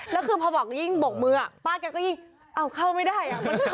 แล้วคือพอบอกยิ่งบกมือป้าแกก็ยิ่งเอาเข้าไม่ได้